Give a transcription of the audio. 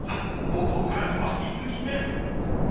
冒頭から飛ばし過ぎです］